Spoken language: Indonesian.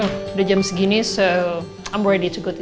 oh udah jam segini jadi aku siap pergi ke pejabat oke